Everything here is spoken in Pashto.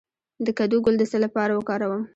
د کدو ګل د څه لپاره وکاروم؟